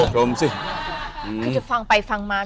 คือจะฟังไปฟังมา